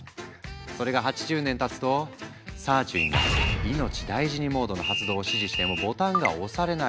それが８０年たつとサーチュインが「いのちだいじにモード」の発動を指示してもボタンが押されない。